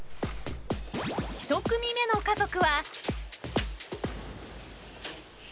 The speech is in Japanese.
１組目の家族は。